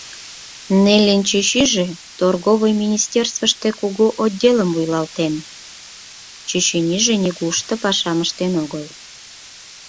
Неллин чӱчӱжӧ торговый министерствыште кугу отделым вуйлатен, чӱчӱньыжӧ нигушто пашам ыштен огыл.